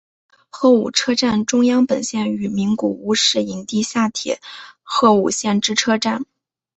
鹤舞车站中央本线与名古屋市营地下铁鹤舞线之车站。